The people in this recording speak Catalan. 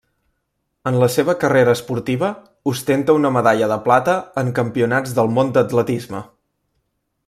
En la seva carrera esportiva ostenta una medalla de plata en campionats del món d'atletisme.